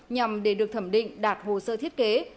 nhằm để được thẩm định đạt hồ sơ thiết kế